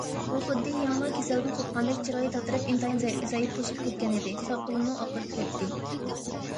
ئۇ خۇددى يېڭىلا كېسەلدىن قوپقاندەك، چىرايى تاتىرىپ، ئىنتايىن زەئىپلىشىپ كەتكەنىدى، ساقىلىمۇ ئاقىرىپ كەتتى.